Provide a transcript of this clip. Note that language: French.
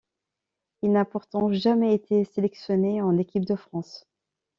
Il n’a pourtant jamais été sélectionné en équipe de France.